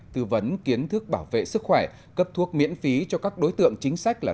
tư vấn kiến thức bảo vệ sức khỏe cấp thuốc miễn phí cho các đối tượng chính sách là